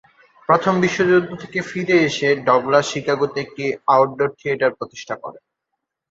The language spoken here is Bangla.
প্রথম বিশ্বযুদ্ধ থেকে ফিরে এসে ডগলাস শিকাগোতে একটি আউটডোর থিয়েটার প্রতিষ্ঠা করেন।